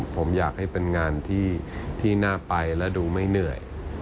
ผมอยากให้เป็นงานที่น่าไปและดูไม่เหนื่อย